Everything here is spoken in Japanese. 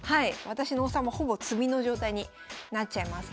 私の王様ほぼ詰みの状態になっちゃいます。